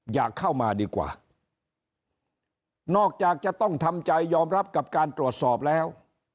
อยากเข้ามาดีกว่านอกจากจะต้องทำใจยอมรับกับการตรวจสอบแล้ว